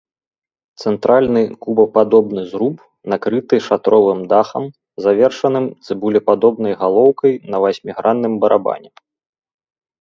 Цэнтральны кубападобны зруб накрыты шатровым дахам, завершаным цыбулепадобнай галоўкай на васьмігранным барабане.